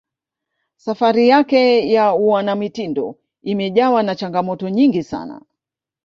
safari yake ya uanamitindo imejawa na changamoto nyingi sana